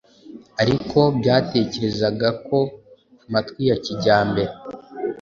ariko byatekerezaga ko amatwi ya kijyambere